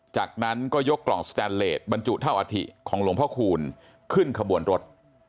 จากนั้นก็ยกกล่องสแตนเลสบรรจุเท่าอาถิของหลวงพ่อคูณขึ้นขบวนรถ